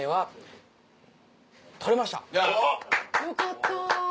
よかった。